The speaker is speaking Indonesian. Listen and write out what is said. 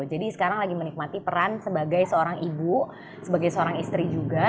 jadi sekarang lagi menikmati peran sebagai seorang ibu sebagai seorang istri juga